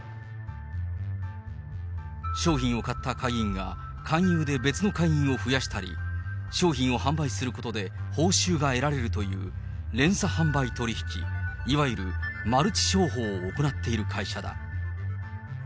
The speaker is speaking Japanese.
商品を買った会員が勧誘で別の会員を増やしたり、商品を販売することで、報酬が得られるという、連鎖販売取り引き、いわゆるマルチ商法を行っている会社だ。